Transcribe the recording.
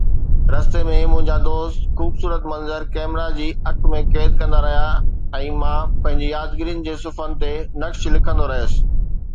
رستي ۾، منهنجا دوست خوبصورت منظر ڪئميرا جي اک ۾ قيد ڪندا رهيا ۽ مان پنهنجي يادگيرين جي صفحن تي نقش لکندو رهيس.